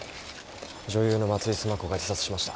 女優の松井須磨子が自殺しました。